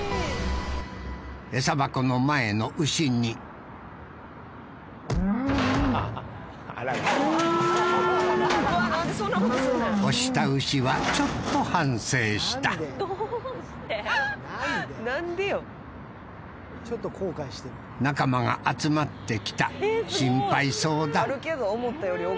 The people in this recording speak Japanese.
エサ箱の前の牛に押した牛はちょっと反省した仲間が集まってきた心配そうだ